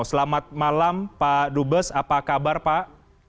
selamat malam pak dubes apa kabar pak